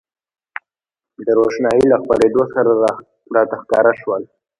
د روښنایۍ له خپرېدو سره راته ښکاره شول.